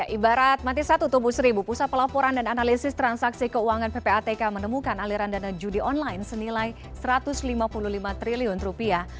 ibarat mati satu tubuh seribu pusat pelaporan dan analisis transaksi keuangan ppatk menemukan aliran dana judi online senilai satu ratus lima puluh lima triliun rupiah